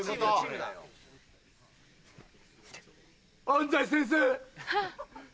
安西先生。